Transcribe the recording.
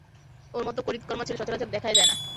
ওর মতো কড়িতকর্মা ছেলে সচরাচর দেখাই যায় না!